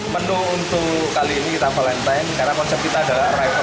menu untuk kali ini kita valentine karena konsep kita adalah river